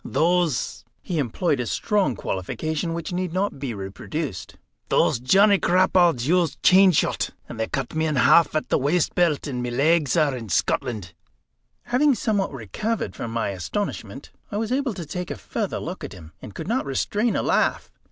Those" he employed a strong qualification which need not be reproduced "those Johnny Crapauds used chain shot; and they cut me in half at the waistbelt, and my legs are in Scotland." Having somewhat recovered from my astonishment, I was able to take a further look at him, and could not restrain a laugh.